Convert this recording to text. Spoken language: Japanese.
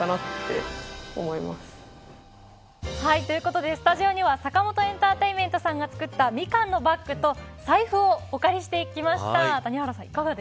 ということで、スタジオには坂本エンターテイメントさんが作ったミカンのバッグと財布をお借りしてきました。